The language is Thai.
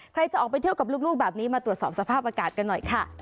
ใครจะออกไปเที่ยวกับลูกแบบนี้มาตรวจสอบสภาพอากาศกันหน่อยค่ะ